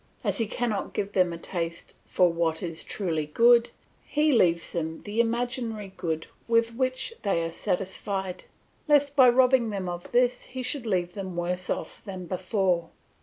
As he cannot give them a taste for what is truly good, he leaves them the imaginary good with which they are satisfied, lest by robbing them of this he should leave them worse off than before.